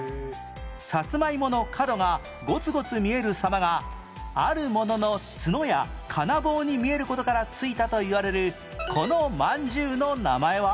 サツマイモの角がゴツゴツ見える様があるもののツノや金棒に見える事から付いたといわれるこのまんじゅうの名前は？